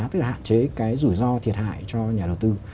tức là hạn chế cái rủi ro thiệt hại cho nhà đầu tư